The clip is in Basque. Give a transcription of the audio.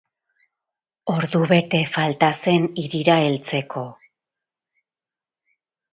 Ordubete falta zen hirira heltzeko.